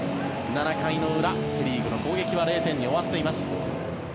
７回の裏、セ・リーグの攻撃は０点に終わっています。